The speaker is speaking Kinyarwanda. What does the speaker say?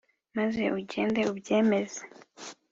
Maze ugende ubyemeza